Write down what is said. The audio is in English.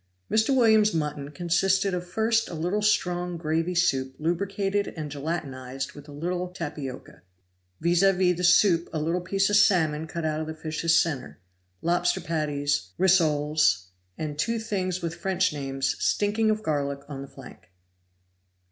Mr. Williams' mutton consisted of first a little strong gravy soup lubricated and gelatinized with a little tapioca; vis a vis the soup a little piece of salmon cut out of the fish's center; lobster patties, rissoles, and two things with French names, stinking of garlic, on the flank.